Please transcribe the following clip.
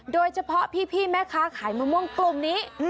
โดยเฉพาะพี่แม่ค้าขายมะม่วงกลุ่มนี้